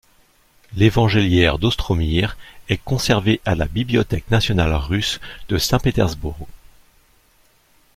L'évangéliaire d'Ostromir est conservé à la Bibliothèque nationale russe de Saint-Pétersbourg.